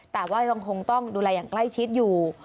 แต่ว่ายังคงต้องดูแลอย่างใกล้ชิดอยู่